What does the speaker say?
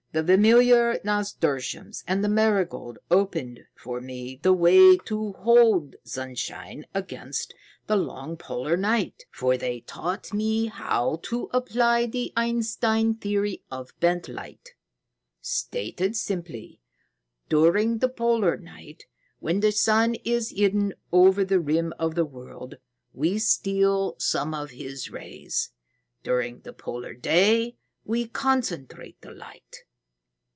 The familiar nasturtium and the marigold opened for me the way to hold sunshine against the long polar night, for they taught me how to apply the Einstein theory of bent light. Stated simply, during the polar night, when the sun is hidden over the rim of the world, we steal some of his rays; during the polar day we concentrate the light."